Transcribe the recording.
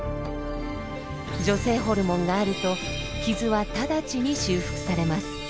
女性ホルモンがあると傷は直ちに修復されます。